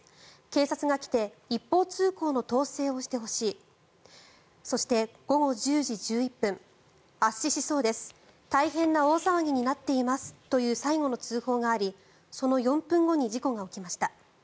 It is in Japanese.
警察が来て一方通行の統制をしてほしいそして、午後１０時１１分圧死しそうです大変な大騒ぎになっていますという最後の通報がありその４分後に事故が起きました。